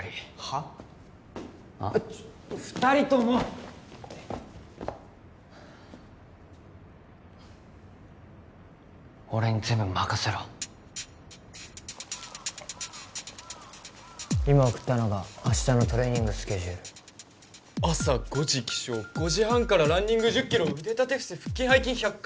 ちょっと二人とも俺に全部任せろ今送ったのが明日のトレーニングスケジュール朝５時起床５時半からランニング１０キロ腕立て伏せ腹筋背筋１００回？